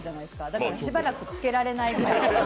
だからしばらくつけられないぐらい。